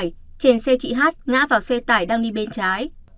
trên xe chị hát ngã vào xe tải đang đi bên trái